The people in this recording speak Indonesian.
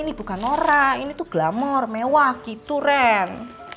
ini tuh glamor mewah gitu ren